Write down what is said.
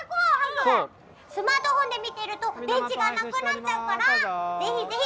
スマートフォンで見てると電池がなくなっちゃうからぜひぜひ。